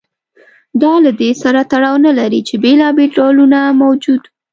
دا له دې سره تړاو نه لري چې بېلابېل ډولونه موجود و